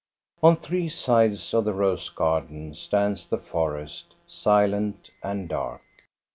On three sides of the rose garden stands the forest, silent and dark.